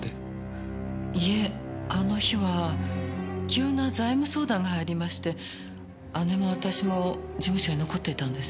いえあの日は急な財務相談がありまして姉も私も事務所に残っていたんです。